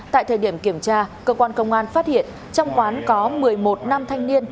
tại thời điểm kiểm tra cơ quan công an phát hiện trong quán có một mươi một nam thanh niên